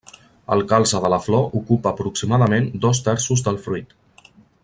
El calze de la flor ocupa aproximadament dos terços del fruit.